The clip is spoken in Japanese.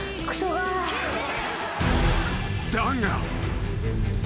［だが］